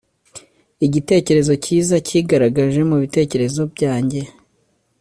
Igitekerezo cyiza cyigaragaje mubitekerezo byanjye